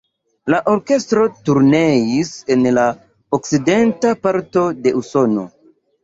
La orkestro turneis en la okcidenta parto de Usono.